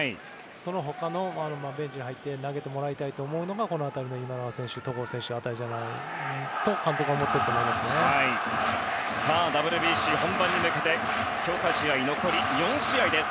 その他の、ベンチに入って投げてもらいたいと思うのがこの辺りの今永選手、戸郷選手辺りじゃないかとＷＢＣ本番に向けて強化試合、残り４試合です。